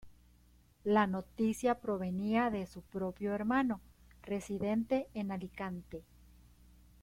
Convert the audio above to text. La noticia provenía de su propio hermano, residente en Alicante.